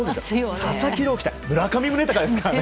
佐々木朗希対村上宗隆ですからね。